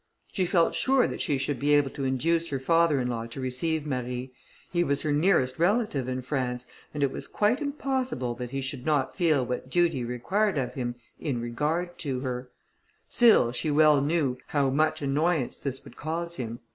She felt sure that she should be able to induce her father in law to receive Marie; he was her nearest relative in France, and it was quite impossible that he should not feel what duty required of him in regard to her; still she well knew how much annoyance this would cause him.